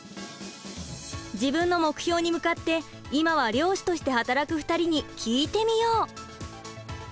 自分の目標に向かって今は漁師として働く２人に聞いてみよう！